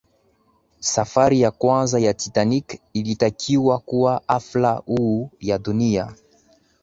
safari ya kwanza ya titanic ilitakiwa kuwa hafla kuu ya dunia